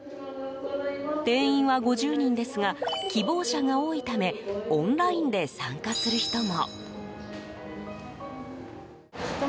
定員は５０人ですが希望者が多いためオンラインで参加する人も。